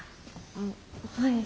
あっはい。